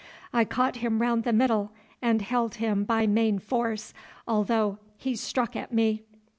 I caught him round the middle, and held him by main force, although he struck at me.